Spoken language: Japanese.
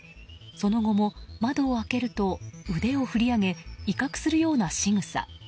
その後も窓を開けると腕を振り上げ威嚇するようなしぐさ。